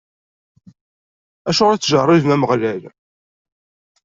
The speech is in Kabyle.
Acuɣer i tettjeṛṛibem Ameɣlal?